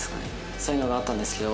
そういうのがあったんですけど